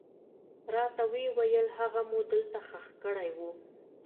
راته ويې ويل هغه مو دلته ښخ کړى و.